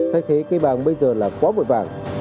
thay thế cây bàng bây giờ là quá bội vàng